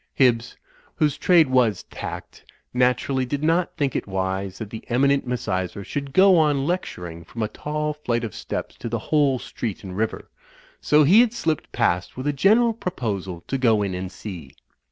Hibbs, whose trade was tact, naturally did not think it wise that the eminent Misysra should go on lecturing from a tall flight of steps to the whole street and river, so he had slipped past with a general pro posal to go in and see.